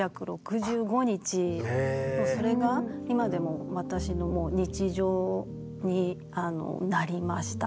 それが今でも私の日常になりました。